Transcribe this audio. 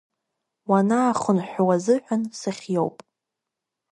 Уанаахынҳәуа азыҳәан сыхиоуп!